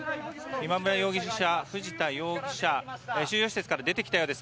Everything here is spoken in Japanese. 今村容疑者、藤田容疑者収容施設から出てきたようです。